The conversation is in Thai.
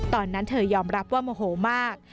ตอนนั้นเธอยอมรับว่าโมโหมาก